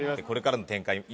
これからの展開